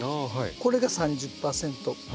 これが３０％。